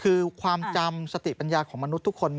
คือความจำสติปัญญาของมนุษย์ทุกคน